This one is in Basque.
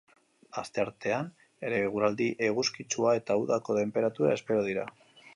Asteartean ere eguraldi eguzkitsua eta udako tenperatura espero dira.